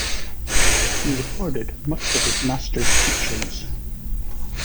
He recorded much of his master's teachings.